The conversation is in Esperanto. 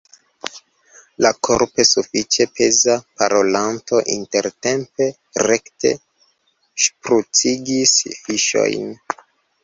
La korpe sufiĉe peza parolanto intertempe rekte ŝprucigis fiŝojn.